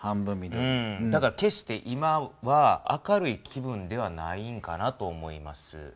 だから決して今は明るい気分ではないんかなと思います。